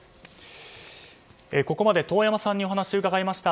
ここまで遠山さんにお話を伺いました。